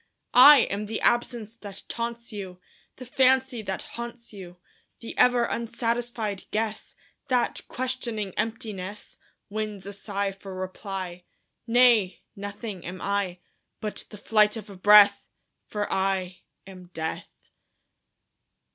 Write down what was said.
I am the absence that taunts you, The fancy that haunts you; The ever unsatisfied guess That, questioning emptiness, Wins a sigh for reply. Nay; nothing am I, But the flight of a breath For I am Death!